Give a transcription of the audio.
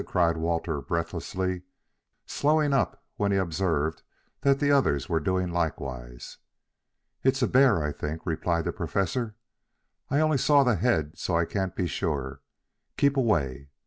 cried Walter breathlessly, slowing up when he observed that the others were doing likewise. "It's a bear, I think," replied the Professor. "I only saw the head so I can't be sure. Keep away.